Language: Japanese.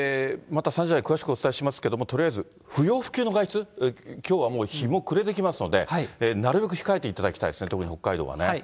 また３時台、詳しくお伝えしますけれども、とりあえず不要不急の外出、きょうはもう日も暮れてきますので、なるべく控えていただきたいですね、特に北海道はね。